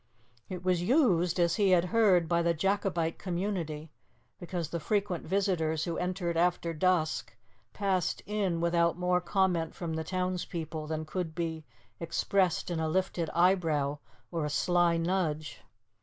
It was used, as he had heard, by the Jacobite community, because the frequent visitors who entered after dusk passed in without more comment from the townspeople than could be expressed in a lifted eyebrow or a sly nudge.